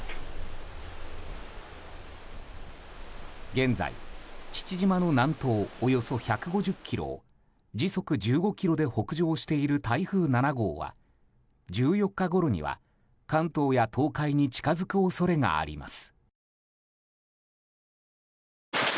現在、父島の南東およそ１５０ｋｍを時速１５キロで北上している台風７号は、１４日ごろには関東や東海に近づく恐れがあります。